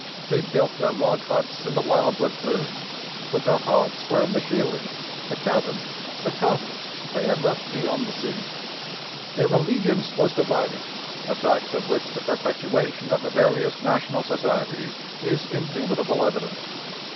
They built their log huts in the wildwood clearings, but their hearts were in the sheiling, the cabin, the cottage they had left beyond the sea. Their allegiance was divided, a fact of which the perpetuation of the various national societies is indubitable evidence.